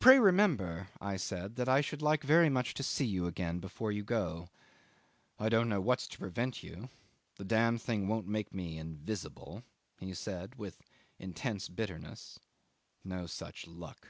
"Pray remember," I said, "that I should like very much to see you again before you go." "I don't know what's to prevent you. The damned thing won't make me invisible," he said with intense bitterness, "no such luck."